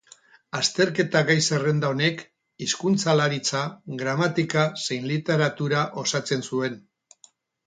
Azterketa gai zerrenda honek hizkuntzalaritza, gramatika, zein literatura osatzen zuen.